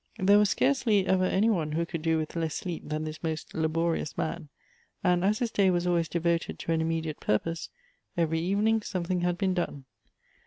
There was scarcely ever any one who could do with less sleep than this most laborious man ; and, as his day was always devoted to an immediate purpose, every evening something had been done.